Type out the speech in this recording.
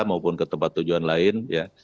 maupun ke tempat tujuan lain ya